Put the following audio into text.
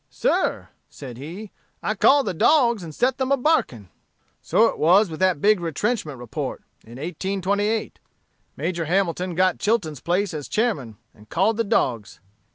'Sir,' said he, 'I called the dogs, and set them a barking.' "So it was with that big Retrenchment Report, in 1828. Major Hamilton got Chilton's place as chairman and called the dogs.